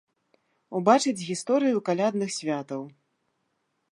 Убачыць гісторыю калядных святаў.